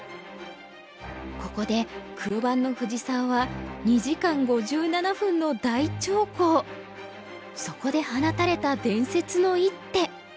ここで黒番の藤沢はそこで放たれた伝説の一手。